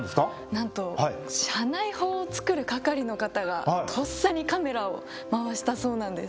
なんと社内報を作る係の方がとっさにカメラを回したそうなんです。